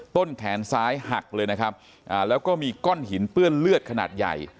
ต้นแขนซ้ายหักเลยนะครับแล้วก็มีก้อนหินเปื้อนเลือดขนาดใหญ่